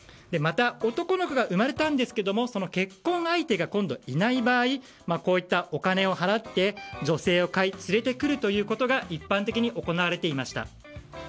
また、男の子が生まれたんですけれどもその結婚相手がいない場合こういったお金を払って女性を買い、連れてくるということが一般的に行われていました。